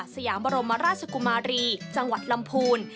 สยามบรมราชกุมารีจังหวัดลำพูน